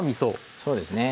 そうですね。